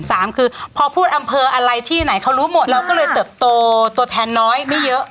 สามคือพอพูดอำเภออะไรที่ไหนเขารู้หมดเราก็เลยเติบโตตัวแทนน้อยไม่เยอะ